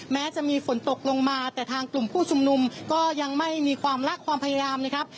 แม้จะมีฝนตกลงมาแต่ทางกลุ่มผู้ชุมนุมก็ยังไม่มีความรักความพยายามนะครับ